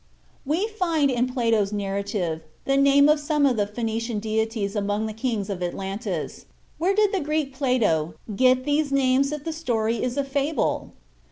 We find in Plato's narrative the names of some of the Phoenician deities among the kings of Atlantis. Where did the Greek, Plato, get these names if the story is a fable?